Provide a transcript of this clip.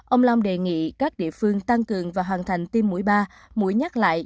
ông long đề nghị các địa phương tăng cường và hoàn thành tiêm mũi ba mũi nhắc lại